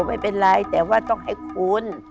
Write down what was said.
ไม่เป็นไรแต่ว่าต้องให้คุณ